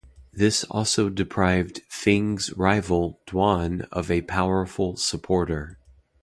This also deprived Feng's rival Duan of a powerful supporter.